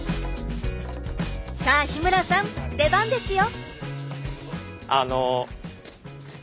さあ日村さん出番ですよ！